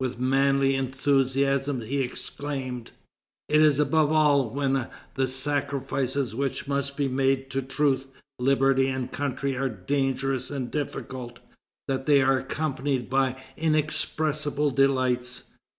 With manly enthusiasm he exclaimed: "It is above all when the sacrifices which must be made to truth, liberty, and country are dangerous and difficult, that they are accompanied by inexpressible delights.